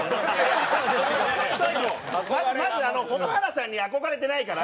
まず蛍原さんに憧れてないから。